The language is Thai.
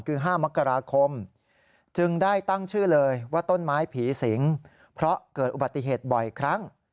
คือ๕มกราคมจึงได้ตั้งชื่อเลยว่าต้นไม้ผีสิงเพราะเกิดอุบัติเหตุบ่อยครั้ง